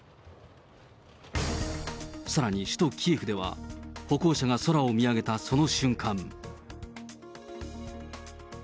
さらに首都キエフでは、歩行者が空を見上げたその瞬間。